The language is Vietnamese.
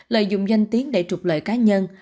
lợi dụng danh tiếng để trục lợi cá nhân